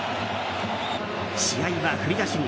試合は振り出しに。